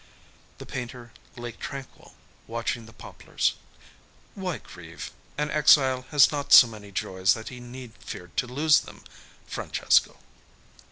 The painter lay tranquil, watching the poplars. "Why grieve? An exile has not so many joys that he need fear to lose them, Francesco."